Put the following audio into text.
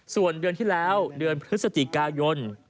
ส่วนเดือนที่แล้วเดือนพฤศจิกายน